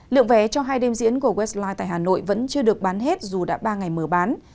lượng vé cho hai đêm diễn của westline tại hà nội vẫn chưa được bán hết dù đã ba ngày mở bán